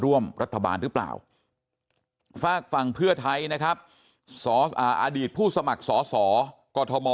ร่วมรัฐบาลหรือเปล่าฝากฝั่งเพื่อไทยนะครับอดีตผู้สมัครสอสอกอทม